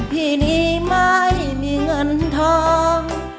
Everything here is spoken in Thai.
พี่นี้ไม่มีเงินทอง